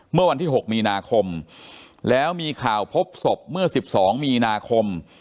เมื่อวันที่๖มีนาคมแล้วมีข่าวพบศพเมื่อ๑๒มีนาคม